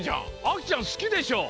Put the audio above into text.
あきちゃん好きでしょ？